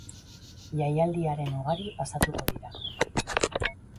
Jaialdiaren ugari pasatuko dira.